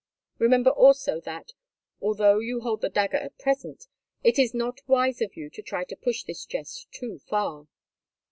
Remember also, that, although you hold the dagger at present, it is not wise of you to try to push this jest too far."